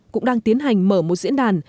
cũng đang tiến hành mở một diễn đàn